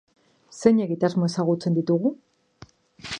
Zein egitasmo ezagutzen ditugu?